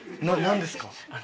な何ですか？